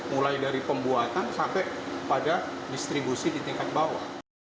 mulai dari pembuatan sampai pada distribusi di tingkat bawah